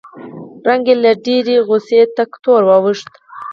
رنګ یې له ډېرې غوسې تک تور واوښت